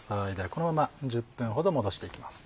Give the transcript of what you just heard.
このまま１０分ほど戻していきます。